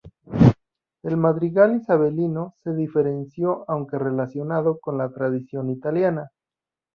El madrigal isabelino se diferenció, aunque relacionado, con la tradición italiana.